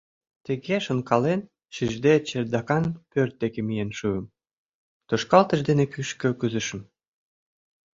Тыге шонкален, шижде чердакан пӧрт деке миен шуым, тошкалтыш дене кӱшкӧ кӱзышым.